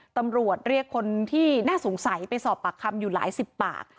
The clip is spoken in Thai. ตำรวจเรียกคนที่น่าสงสัยไปสอบปากคำอยู่หลายสิบปาก